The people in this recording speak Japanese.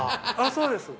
そうです。